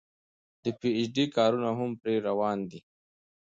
د پي ايچ ډي کارونه هم پرې روان دي